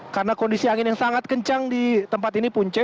karena kondisi angin yang sangat kencang di tempat ini punce